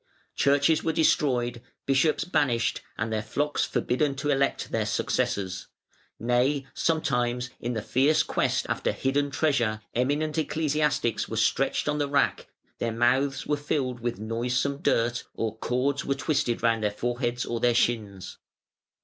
Churches were destroyed, bishops banished, and their flocks forbidden to elect their successors: nay, sometimes, in the fierce quest after hidden treasure, eminent ecclesiastics were stretched on the rack, their mouths were filled with noisome dirt, or cords were twisted round their foreheads or their shins.